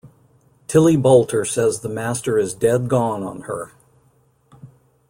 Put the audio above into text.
Tillie Boulter says the master is dead gone on her.